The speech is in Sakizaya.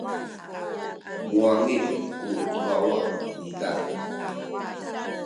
muwangic ku wawa niza.